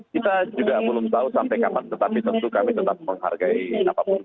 kita juga belum tahu sampai kapan tetapi tentu kami tetap menghargai apapun